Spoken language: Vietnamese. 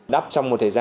đắp trong một thời gian